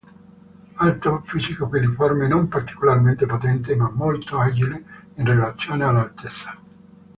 Alto, fisico filiforme, non particolarmente potente, ma molto agile in relazione all'altezza.